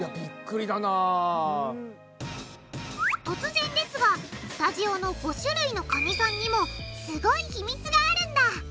突然ですがスタジオの５種類のカニさんにもすごい秘密があるんだ！